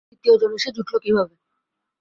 তৃতীয় জন এসে জুটল কীভাবে?